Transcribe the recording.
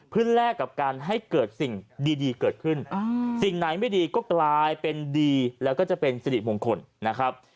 เพื่อแลกกับการให้เกิดสิ่งดีเกิดขึ้นสิ่งไหนไม่ดีก็กลายเป็นดีแล้วก็จะเป็นสิริมงคลนะครับ